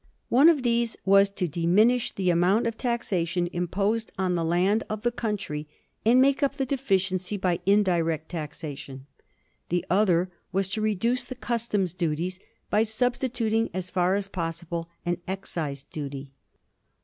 One of these was to diminish the amount of taxation imposed on the land of the country, and make up the deficiency by indirect taxation; the other was to reduce the customs duties by substituting as far as possible an excise duty.